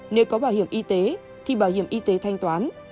nếu có bảo hiểm y tế thì bảo hiểm y tế thanh toán